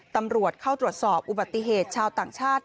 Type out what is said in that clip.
ตำรวจเข้าตรวจสอบอุบัติเหตุชาวต่างชาติ